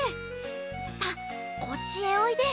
さあこっちへおいで。